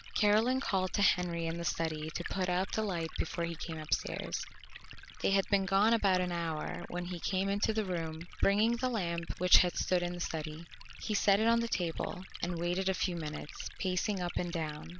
Caroline called to Henry in the study to put out the light before he came upstairs. They had been gone about an hour when he came into the room bringing the lamp which had stood in the study. He set it on the table and waited a few minutes, pacing up and down.